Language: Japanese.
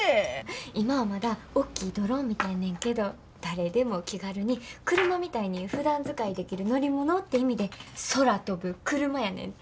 今はまだおっきいドローンみたいねんけど誰でも気軽に車みたいにふだん使いできる乗り物って意味で空飛ぶクルマやねんて。